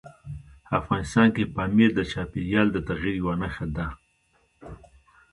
افغانستان کې پامیر د چاپېریال د تغیر یوه نښه ده.